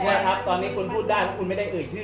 ว่าครับตอนนี้คุณพูดได้เพราะคุณไม่ได้เอ่ยชื่อ